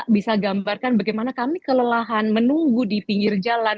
bisa gambarkan bagaimana kami kelelahan menunggu di pinggir jalan